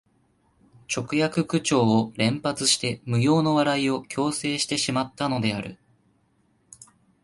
直訳口調を連発して無用の笑いを強制してしまったのである